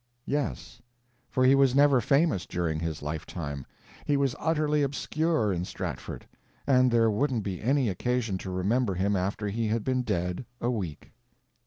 Yes. For he was never famous during his lifetime, he was utterly obscure in Stratford, and there wouldn't be any occasion to remember him after he had been dead a week.